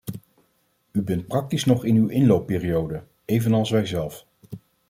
U bent praktisch nog in uw inloopperiode, evenals wijzelf.